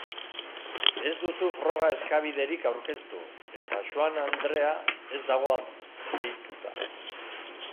Ez duzu froga-eskabiderik aurkeztu, eta Schwan andrea ez dago deituta.